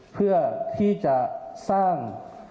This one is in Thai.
เพื่อที่จะสร้าง